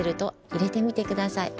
いれてみてください。